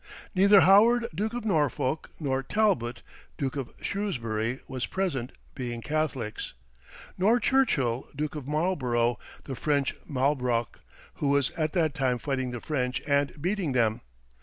Neither Howard, Duke of Norfolk, nor Talbot, Duke of Shrewsbury, was present, being Catholics; nor Churchill, Duke of Marlborough, the French Malbrouck, who was at that time fighting the French and beating them.